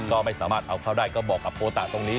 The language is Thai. ก็ไม่สามารถเอาเข้าได้ก็บอกกับโอตะตรงนี้